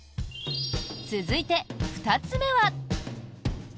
続いて、２つ目は。